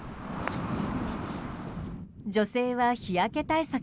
女性は日焼け対策